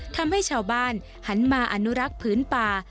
ทำให้ชาวบ้านหันมาอนุรักษ์พื้นป่า